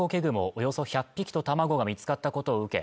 およそ１００匹と卵が見つかったことを受け